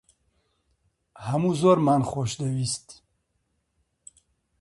هەموو زۆرمان خۆش دەویست